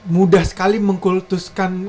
mudah sekali mengkultuskan